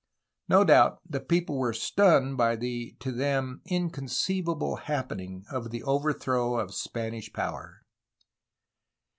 No doubt the people were stunned by the, to them, inconceiv able happening of the overthrow of Spanish power.